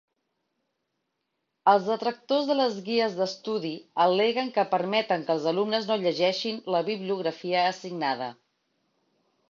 Els detractors de les guies d'estudi al·leguen que permeten que els alumnes no llegeixin la bibliografia assignada.